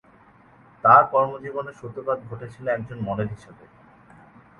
তাঁর কর্মজীবনের সূত্রপাত ঘটেছিল একজন মডেল হিসেবে।